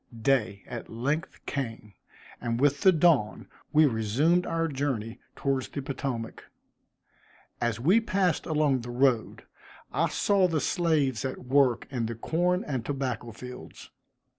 Day at length came, and with the dawn, we resumed our journey towards the Potomac. As we passed along the road, I saw the slaves at work in the corn and tobacco fields.